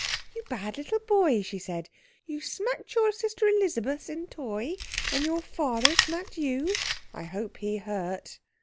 "You bad little boy," she said. "You smacked your sister Elizabeth in t' oy, and your foarther smacked you. I hope he hurt."